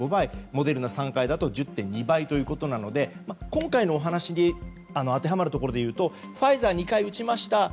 モデルナ３回だと１０．２倍ということなので今回のお話に当てはまるところでいうとファイザー２回、打ちました。